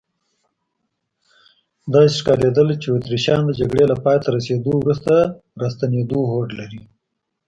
داسې ښکارېدل چې اتریشیان د جګړې له پایته رسیدو وروسته راستنېدو هوډ لري.